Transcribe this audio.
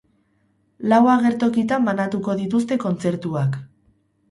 Lau agertokitan banatuko dituzte kontzertuak.